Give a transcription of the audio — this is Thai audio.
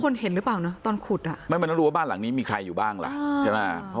คุณแม่ขูดอยู่คนเดียวแต่ว่าไม่ได้มองอันไหนค่ะ